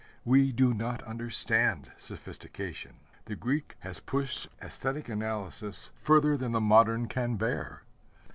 We do not understand sophistication. The Greek has pushed aesthetic analysis further than the modern can bear.